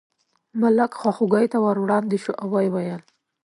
ملک خواخوږۍ ته ور وړاندې شو او یې وویل.